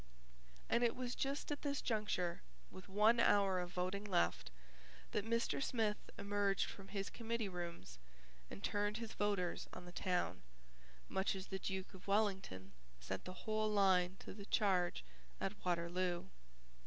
And it was just at this juncture, with one hour of voting left, that Mr. Smith emerged from his committee rooms and turned his voters on the town, much as the Duke of Wellington sent the whole line to the charge at Waterloo.